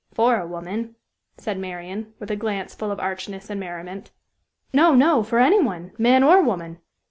"For a woman," said Marian, with a glance full of archness and merriment. "No, no; for any one, man or woman!